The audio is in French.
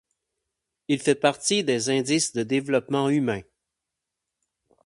Il fait partie des indices de développement humain.